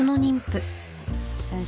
先生。